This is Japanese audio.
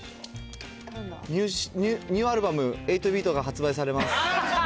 ニューアルバム、８ＢＥＡＴが発売されます。